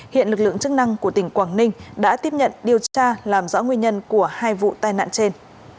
hiện lực lượng chức năng của tỉnh quảng ninh đã tiếp nhận điều tra làm rõ nguyên nhân của hai vụ tai nạn trên